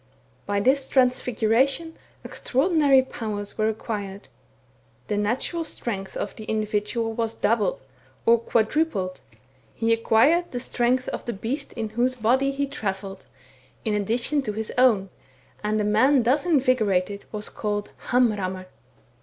By this transfiguration extraordinary powers were acquired; the natural strength of the individual was doubled, or quadrupled ; he acquired the strength 16 THE BOOK OF WERE WOLVES. of the beast in whose body he travelled, in addition to his own, and a man thus invigorated was called hamrammr.